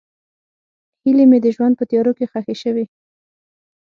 هیلې مې د ژوند په تیارو کې ښخې شوې.